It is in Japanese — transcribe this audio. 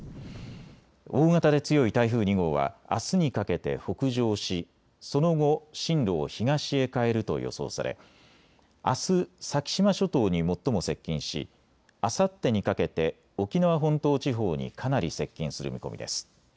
大型で強い台風２号はあすにかけて北上しその後、進路を東へ変えると予想されあす、先島諸島に最も接近しあさってにかけて沖縄本島地方にかなり接近する見込みです。